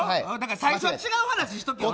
最初は違う話しとけよ。